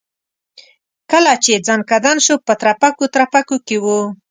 کله چې ځنکدن شو په ترپکو ترپکو کې و.